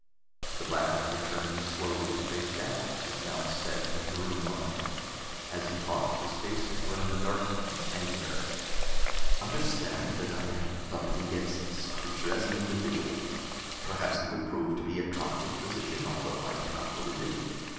The Black Doctor turned slowly to face Dal, his mouth set in a grim line. As he talked, his face had grown dark with anger. "Understand that I have nothing against this creature as an individual. Perhaps he would prove to be a competent physician, although I cannot believe it.